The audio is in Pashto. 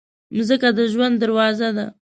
مځکه د ژوند دروازه ده.